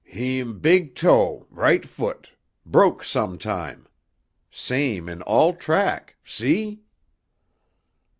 "Heem big toe right foot broke sometime. Same in all track. See?"